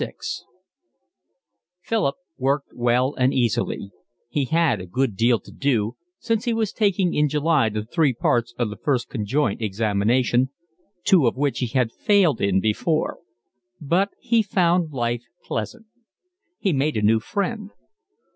LXVI Philip worked well and easily; he had a good deal to do, since he was taking in July the three parts of the First Conjoint examination, two of which he had failed in before; but he found life pleasant. He made a new friend.